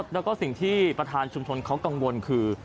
แล้วก็สิ่งที่ประธานชุมชนเขากังวลคือ